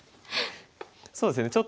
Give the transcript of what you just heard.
そうですね